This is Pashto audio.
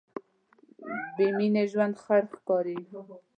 بېمینې ژوند خړ ښکاري.